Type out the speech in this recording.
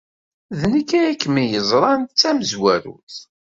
D nekk ay kem-yeẓran d tamezwarut.